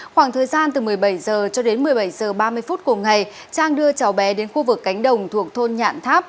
khoảng thời gian từ một mươi bảy h cho đến một mươi bảy h ba mươi phút cùng ngày trang đưa cháu bé đến khu vực cánh đồng thuộc thôn nhạn tháp